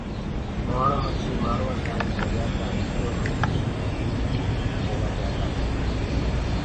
مُهآڻآ مڇي مآروآتآڻي دريآ ڪآ وچو مينٚ بي چيلآ جآندآ هينٚ۔